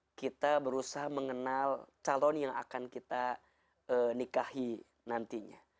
bagaimana kita berusaha mengenal calon yang akan kita nikahi nantinya